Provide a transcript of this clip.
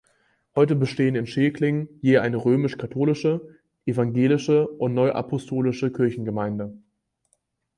Heute bestehen in Schelklingen je eine römisch-katholische, evangelische und neuapostolische Kirchengemeinde.